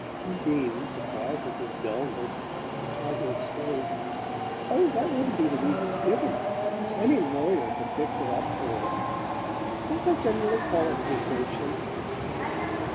Undine, surprised at his dullness, tried to explain. "Oh that wouldn't be the reason GIVEN, of course. Any lawyer could fix it up for them. Don't they generally call it desertion?"